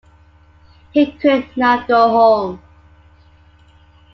He could not go home.